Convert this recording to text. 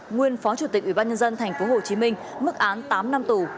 nguyên phó chủ tịch ủy ban nhân dân tp hcm mức án tám năm tù